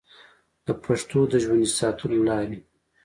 د پښتو د ژوندي ساتلو لارې